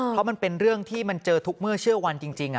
เพราะมันเป็นเรื่องที่มันเจอทุกเมื่อเชื่อวันจริง